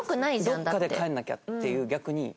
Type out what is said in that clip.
どこかで帰らなきゃっていう逆に。